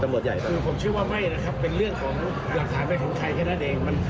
คือผมเชื่อว่าไม่นะครับเป็นเรื่องของอย่างสาหรัฐอะไรของใครแค่นั้นเอง